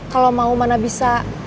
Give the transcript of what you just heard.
kalau mau mana bisa